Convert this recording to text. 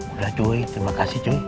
sudah cuy terima kasih cuy